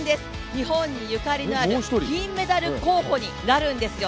日本にゆかりのある金メダル候補になるんですよ。